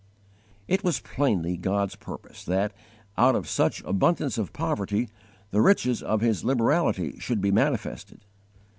It was plainly God's purpose that, out of such abundance of poverty, the riches of His liberality should be manifested.